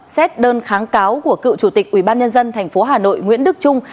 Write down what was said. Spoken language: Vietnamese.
xét đơn kháng cáo của cựu chủ tịch ubnd tp hà nội nguyễn đức trung